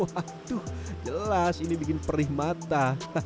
waduh jelas ini bikin perih mata